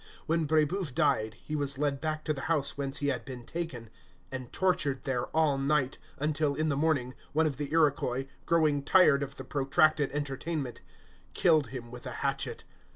When Brébeuf died, he was led back to the house whence he had been taken, and tortured there all night, until, in the morning, one of the Iroquois, growing tired of the protracted entertainment, killed him with a hatchet.